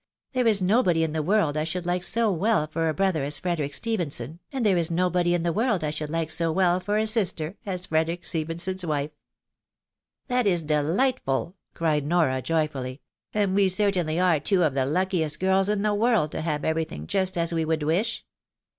There, is nobody in the world I should like so well for a brother as Frederick Stephenson, and there is nobody in the world J should like so well for a sister as Frederick Stephenson's wife." " That is delightful !" cried Nora, joyfully ;'* and we cer tainly are two of the luckiest girls in the world to have every thing just as we would wish